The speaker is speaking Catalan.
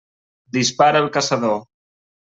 Dispara el caçador.